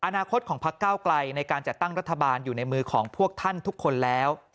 อนาคตของพักเก้าไกลในการจัดตั้งรัฐบาลอยู่ในมือของพวกท่านทุกคนแล้ว